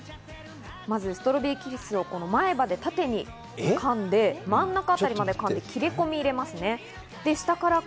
まずストロベリーキスを前歯で縦に噛んで真ん中あたりまで噛んで切りこみを入れますね、下から。